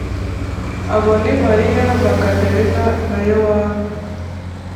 abo ni mariya magadalena na yowana